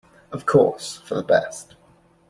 Of course, for the best.